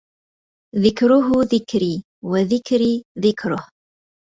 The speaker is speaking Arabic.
ذكره ذكري وذكري ذكره